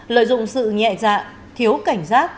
lợi dụng sự nhẹ dạ thiếu cảnh giác